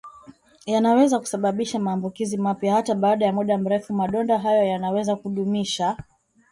yanaweza kusababisha maambukizi mapya hata baada ya muda mrefu Madonda hayo yanaweza kudumisha